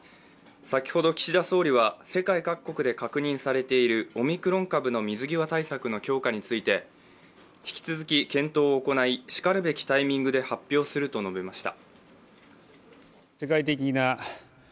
先ほど岸田総理は世界各国で確認されているオミクロン株の水際対策の強化について、引き続き検討を行い、しかるべきタイミングで発表すると述べました。